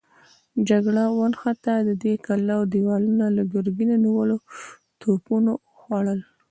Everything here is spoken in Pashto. جګړه ونښته، د دې کلاوو دېوالونه له ګرګينه نيولو توپونو وخوړل.